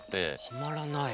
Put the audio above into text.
はまらない。